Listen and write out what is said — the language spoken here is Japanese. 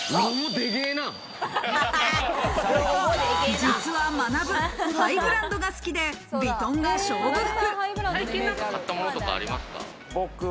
実はまなぶ、ハイブランドが好きで、ヴィトンが勝負服。